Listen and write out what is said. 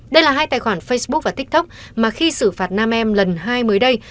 đây là hai tài khoản facebook và tiktok mà khi xử phạt nam em lần hai mới đây